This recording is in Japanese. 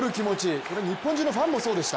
これは日本中のファンもそうでした。